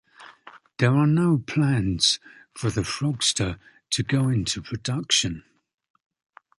There are no plans for the Frogster to go into production.